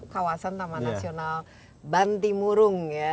kawasan taman nasional bantimurung